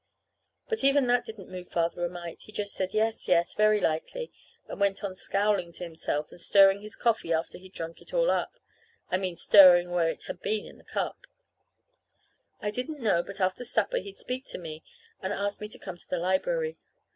But even that didn't move Father a mite. He just said, yes, yes, very likely; and went on scowling to himself and stirring his coffee after he'd drank it all up I mean, stirring where it had been in the cup. I didn't know but after supper he'd speak to me and ask me to come to the library.